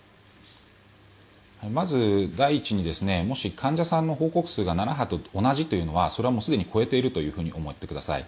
まず、第一にもし患者さんの報告数が７波と同じというのはそれはもう超えていると思ってください。